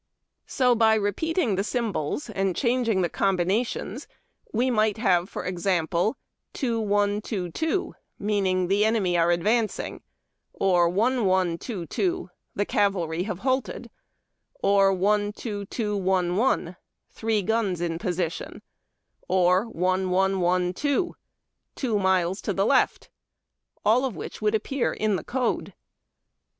So by repeating the symbols and changing the combinations we might have, for example, 2122, meaning the enemy are advancing; or 1122, the cavalry have halted; or 12211, three guns in position; or 1112, two miles to the left, — all of which would appear in the code.